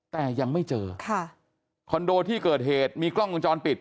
แต่ยังไม่เจอค่ะคอนโดที่เกิดเหตุมีกล้องวงจรปิด